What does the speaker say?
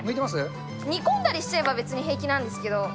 煮込んだりしちゃえば、別に平気なんですけど。